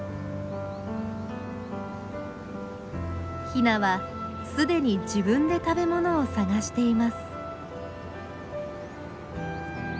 ヒナはすでに自分で食べ物を探しています。